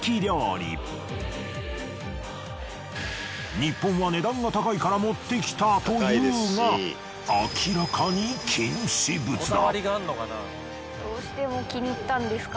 「日本は値段が高いから持ってきた」と言うが明らかに禁止物だ。